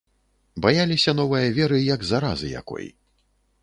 Баяліся новае веры, як заразы якой.